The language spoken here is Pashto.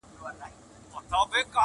• خو زه دي ونه لیدم -